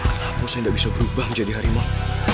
kenapa saya tidak bisa berubah menjadi harimau